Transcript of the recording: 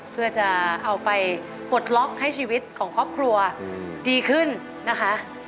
เพื่อจะเอาไปปลดล็อกให้ชีวิตของครอบครัวดีขึ้นนะคะ